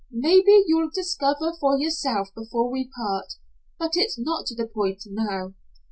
Maybe you'll discover for yourself before we part but it's not to the point now.